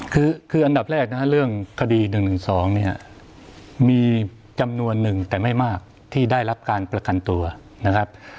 คืออันดับแรกนะฮะเรื่องคดี๑๑๒เนี่ยมีจำนวนหนึ่งแต่ไม่มากที่ได้รับการประกันตัวนะครับ